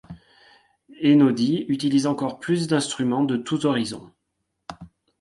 Einaudi utilise encore plus d'instruments de tous horizons.